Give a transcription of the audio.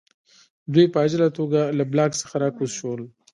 دوی په عاجله توګه له بلاک څخه راکوز شول